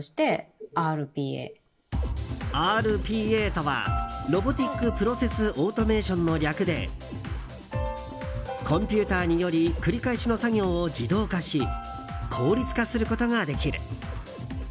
ＲＰＡとはロボティック・プロセス・オートメーションの略でコンピューターにより繰り返しの作業を自動化し効率化することができる。